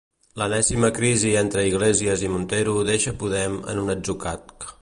L'enèsima crisi entre Iglesias i Montero deixa Podem en un atzucac.